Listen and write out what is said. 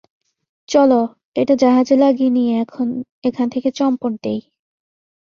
চলো, এটা জাহাজে লাগিয়ে নিয়ে এখান থেকে চম্পট দেই।